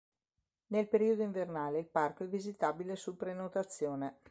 Nel periodo invernale il parco è visitabile su prenotazione.